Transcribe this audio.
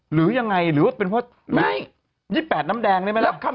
หรือยังไงหรือว่าเป็นเพราะ๒๘น้ำแดงนี่ไหมล่ะ